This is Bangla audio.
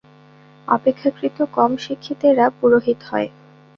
অপেক্ষাকৃত কম শিক্ষিতেরা পুরোহিত হয়।